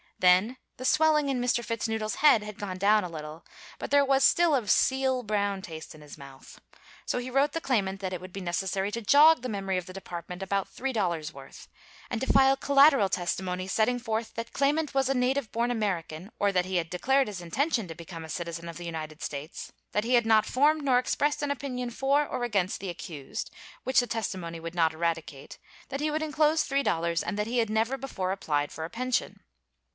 Then the swelling in Mr. Fitznoodle's head had gone down a little, but there was still a seal brown taste in his mouth. So he wrote the claimant that it would be necessary to jog the memory of the department about $3 dollars worth; and to file collateral testimony setting forth that claimant was a native born American or that he had declared his intention to become a citizen of the United States, that he had not formed nor expressed an opinion for or against the accused, which the testimony would not eradicate, that he would enclose $3, and that he had never before applied for a pension.